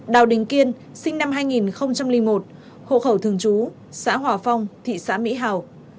đào đình kiên sinh năm hai nghìn một hộ khẩu thương chú xã hòa phong thị xã mỹ hào